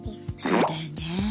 そうだよね。